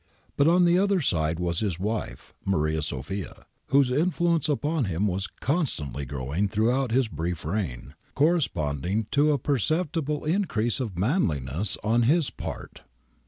But on the other side was his wife, Maria Sophia, whose influence upon him was constantl}' grow ing throughout his brief reign, corresponding to a per ceptible increase of manliness on his part.